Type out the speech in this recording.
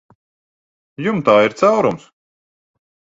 Jumtā ir caurums.